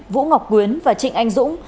vũ ngọc nguyễn và trịnh anh dũng